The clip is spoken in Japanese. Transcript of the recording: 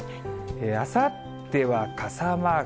あさっては傘マーク。